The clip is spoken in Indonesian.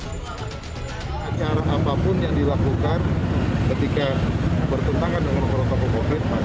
tidak ada cara apapun yang dilakukan ketika bertentangan dengan protokol covid sembilan belas